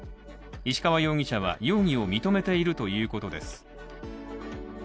石川容疑者は容疑を認めているということです。